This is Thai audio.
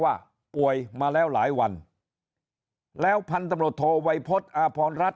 ว่าป่วยมาแล้วหลายวันแล้วพันตำรวจโทวัยพฤษอาพรรัฐ